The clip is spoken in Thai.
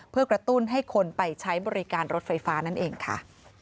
เพื่อกระตุ้นให้คนไปใช้บริการรถไฟฟ้านั่นเองค่ะ